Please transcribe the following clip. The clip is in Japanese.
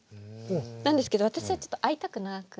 なんですけど私はちょっと会いたくなくて。